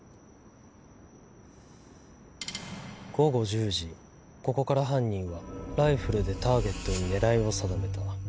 午後１０時ここから犯人はライフルでターゲットに狙いを定めた。